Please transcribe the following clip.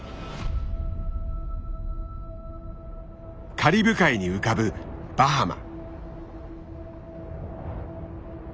カリブ海に浮かぶバハマ。